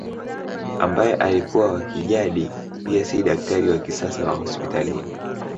Ambaye alikuwa wa kijadi pia si daktari wa kisasa wa hospitalini